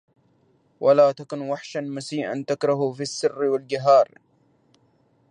ولا تكن وحشا مسيئا تكره في السر والجهار!!